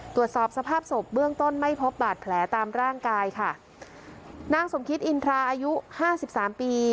ตรวจสอบสภาพศพเบื้องต้นไม่พบบาดแผลตามร่างกายค่ะนางสมคิตอินทราอายุห้าสิบสามปี